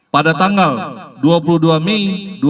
pada tanggal dua puluh dua mei dua ribu dua puluh